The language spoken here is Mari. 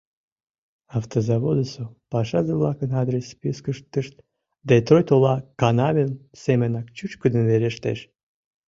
Автозаводысо пашазе-влакын адрес спискыштышт Детройт ола Канавин семынак чӱчкыдын верештеш.